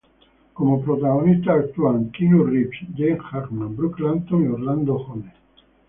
Como protagonistas, actúan Keanu Reeves, Gene Hackman, Brooke Langton y Orlando Jones.